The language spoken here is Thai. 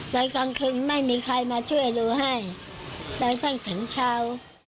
แต่กลางคืนไม่มีใครมาช่วยดูให้แต่สั้นถึงเช้า